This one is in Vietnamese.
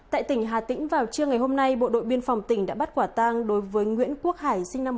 tại tỉnh hà tĩnh vào trưa ngày hôm nay bộ đội biên phòng tỉnh đã bắt quả tang đối với nguyễn quốc hải sinh năm một nghìn chín trăm tám mươi